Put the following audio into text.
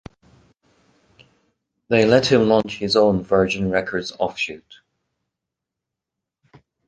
They let him launch his own Virgin Records offshoot.